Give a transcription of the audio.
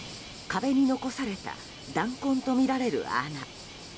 壁に残された弾痕とみられる穴。